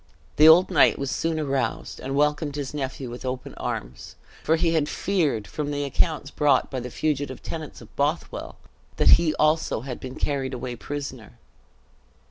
The old knight was soon aroused, and welcomed his nephew with open arms; for he had feared, from the accounts brought by the fugitive tenants of Bothwell, that he also had been carried away prisoner.